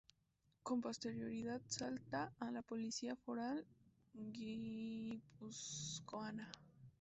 Con posterioridad salta a la política foral guipuzcoana.